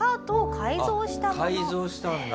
改造したんだ。